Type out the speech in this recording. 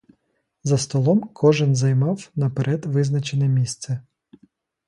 За столом кожен займав наперед визначене місце.